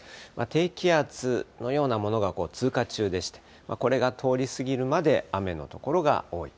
低気圧のようなものが通過中でして、これが通り過ぎるまで雨の所が多い。